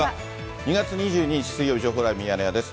２月２２日水曜日、情報ライブミヤネ屋です。